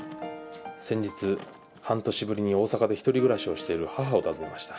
先日半年ぶりに大阪でひとり暮らしをしている母を訪ねました。